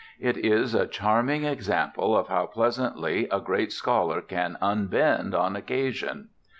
It is a charming example of how pleasantly a great scholar can unbend on occasion.